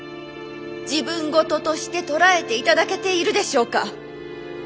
自分事として捉えていただけているでしょうか。